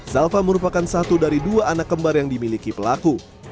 zalfa merupakan satu dari dua anak kembar yang dimiliki pelaku